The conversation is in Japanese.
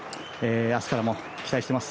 明日からも期待しています。